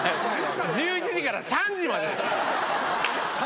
１１時から３時までです。